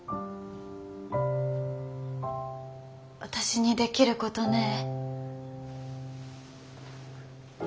私にできることねえ？